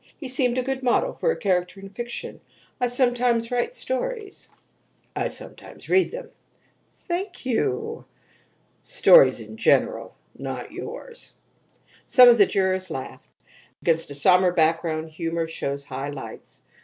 He seemed a good model for a character in fiction. I sometimes write stories." "I sometimes read them." "Thank you." "Stories in general not yours." Some of the jurors laughed. Against a sombre background humor shows high lights.